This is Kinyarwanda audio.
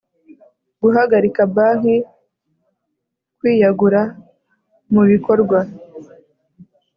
Guhagarika banki kwiyagura mu bikorwa